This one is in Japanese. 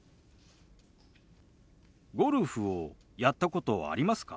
ゴルフをやったことありますか？